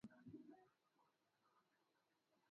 ya maneno au muundo wasentensi za Kiswahili